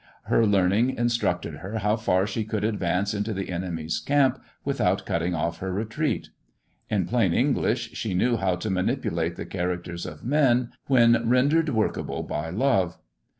Her learning instructed her how far she could advance into the enemy's camp with out cutting off her retreat. In plain English, she knew how to manipulate the characters of men when rendered workable by love.